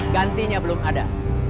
gantinya belum ada